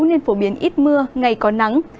nên phổ biến ít mưa ngày có nắng